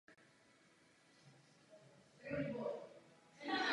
Součástí velké koalice jsou tedy všichni hráči.